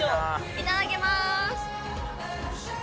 いただきます。